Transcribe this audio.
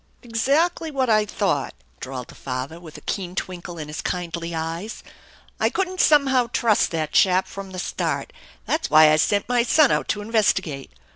"Exactly what I thought/ 3 drawled the father, with a keen twinkle in his kindly eyes. " I couldn't somehow trust that chap from the start. That's why I sent my son out to investigate.